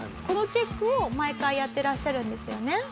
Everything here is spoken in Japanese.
このチェックを毎回やってらっしゃるんですよね？